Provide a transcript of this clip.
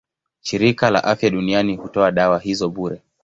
Shirika la Afya Duniani hutoa dawa hizo bure.